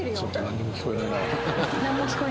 何も聞こえないって。